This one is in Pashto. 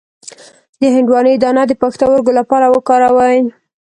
د هندواڼې دانه د پښتورګو لپاره وکاروئ